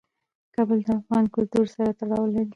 کابل د افغان کلتور سره تړاو لري.